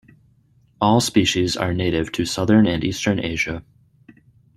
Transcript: All species are native to southern and eastern Asia.